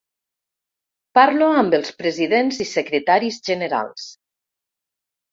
Parlo amb els presidents i secretaris generals.